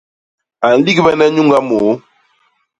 A nligbene nyuñga môô.